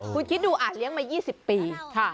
คุณคิดดูอาจเลี้ยงมา๒๐ปี